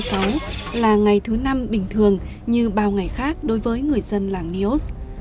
ngày hai mươi một tháng tám năm một nghìn chín trăm tám mươi sáu là ngày thứ năm bình thường như bao ngày khác đối với người dân làng neos